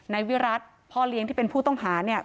วิรัติพ่อเลี้ยงที่เป็นผู้ต้องหาเนี่ย